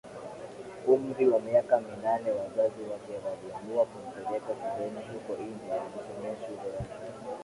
umri wa miaka minane wazazi wake waliamua kumpleka shuleni huko India Alisomea shule ya